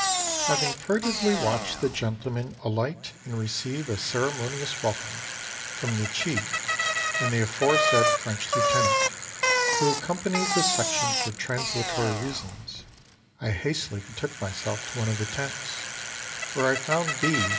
Having furtively watched the gentleman alight and receive a ceremonious welcome from the chief and the aforesaid French lieutenant who accompanied the section for translatory reasons, I hastily betook myself to one of the tents, where I found B.